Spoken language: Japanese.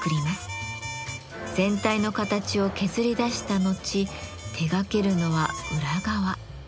全体の形を削り出した後手がけるのは裏側。